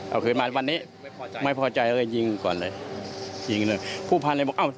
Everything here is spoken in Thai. เอาคือมาวันนี้ไม่พอใจเลยจริงก่อนเลยจริงเลยผู้ที่๑๒๐บาทอ้อ